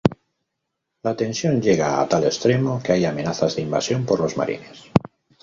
La tensión llega a tal extremo que hay amenazas de invasión por los marines.